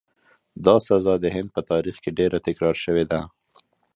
دا سزا د هند په تاریخ کې ډېره تکرار شوې ده.